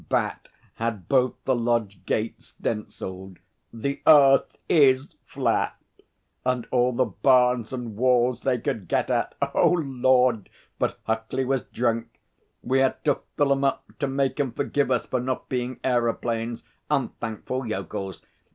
Bat had both the lodge gates stencilled "The Earth is flat!" and all the barns and walls they could get at.... Oh Lord, but Huckley was drunk! We had to fill 'em up to make 'em forgive us for not being aeroplanes. Unthankful yokels!